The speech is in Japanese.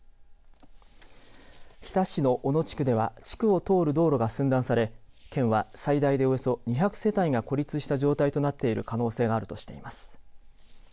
日田市の小野地区では地区を通る道路が寸断され県は最大でおよそ２００世帯が孤立した状態となっている可能性があるとしています。